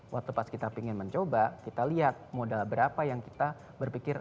waktu pas kita ingin mencoba kita lihat modal berapa yang kita berpikir